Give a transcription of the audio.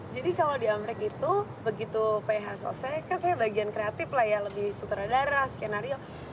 jadi kalau di amerika itu begitu ph selesai kan saya bagian kreatif lah ya lebih sutradara skenario